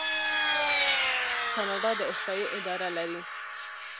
کاناډا د احصایې اداره لري.